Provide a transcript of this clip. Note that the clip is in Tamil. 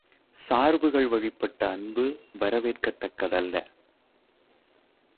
சார்புகள் வழிப்பட்ட அன்பு, வரவேற்கத் தக்கதல்ல.